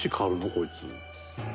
こいつ」